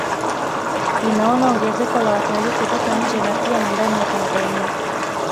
Inaona ongezeko la watalii kutoka nje na pia na ndani ya Tanzania